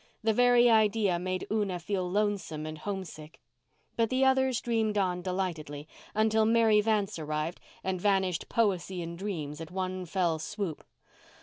The very idea made Una feel lonesome and homesick. But the others dreamed on delightedly until Mary Vance arrived and vanished poesy and dreams at one fell swoop.